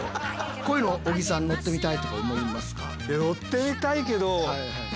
こういうの小木さん乗ってみたいとか思いますか？